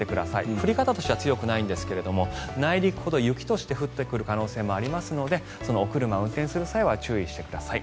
降り方としては強くないんですが内陸ほど雪として降ってくる可能性もありますのでお車を運転する際は注意してください。